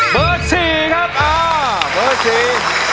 สี่ครับอ่าเบอร์สี่